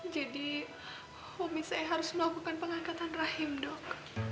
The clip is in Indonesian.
jadi umis saya harus melakukan pengangkatan rahim dok